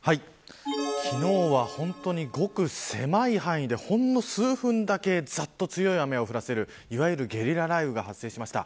昨日は本当にごく狭い範囲でほんの数分だけざっと強い雨を降らせるいわゆるゲリラ雷雨が発生しました。